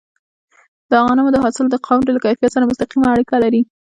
د غنمو حاصل د خاورې له کیفیت سره مستقیمه اړیکه لري.